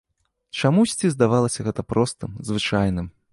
Чамусьці здавалася гэта простым, звычайным.